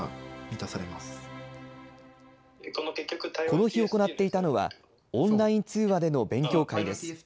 この日行っていたのは、オンライン通話での勉強会です。